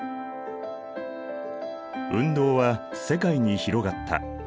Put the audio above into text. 運動は世界に広がった。